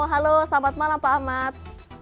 halo selamat malam pak ahmad